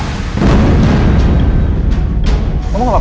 kamu gak apa apa